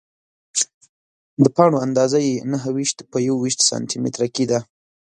د پاڼو اندازه یې نهه ویشت په یوویشت سانتي متره کې ده.